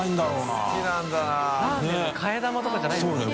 ラーメンの替え玉とかじゃないんですもんね。